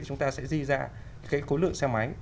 thì chúng ta sẽ di ra cái cối lượng xe máy